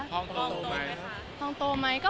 ห้องโตไหมคะห้องโตไหมคะ